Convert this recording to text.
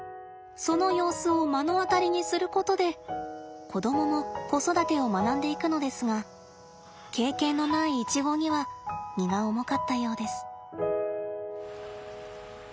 その様子を目の当たりにすることで子供も子育てを学んでいくのですが経験のないイチゴには荷が重かったようです。